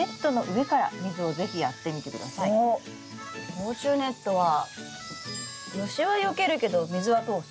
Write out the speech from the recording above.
防虫ネットは虫はよけるけど水は通す。